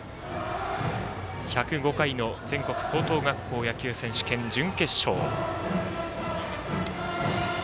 １０５回の全国高校野球選手権の準決勝。